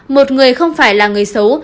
một người không phải là người xấu